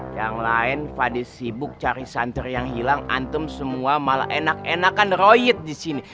yang lain fade sibuk cari santai yang hilang antum semua malah enak enakan royit disini